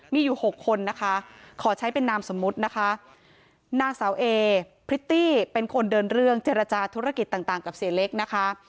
มีอยู่๖คนนะคะขอใช้เป็นนามสมมุตินะคะนางสาวเอพริตตี้เป็นคนเดินเรื่องเจรจาธุรกิจต่างกับเสียเล็กนะคะ